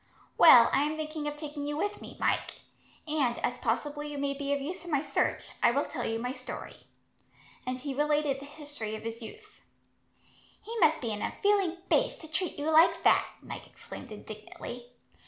"Well, I am thinking of taking you with me, Mike; and, as possibly you may be of use in my search, I will tell you my story." And he related the history of his youth. "He must be an unfeeling baste, to treat you like that," Mike exclaimed indignantly.